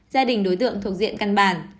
gia đình đối tượng thuộc diện căn bản